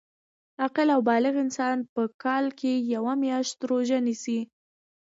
عاقل او بالغ انسان په کال کي یوه میاشت روژه نیسي